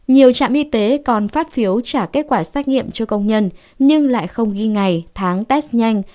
nhiều trạm y tế còn phát phiếu trả kết quả xét nghiệm cho công nhân nhưng lại không ghi ngày tháng test nhanh